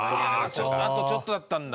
あとちょっとだったんだ。